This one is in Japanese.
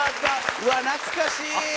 うわ懐かしい！